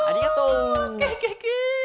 ケケケ！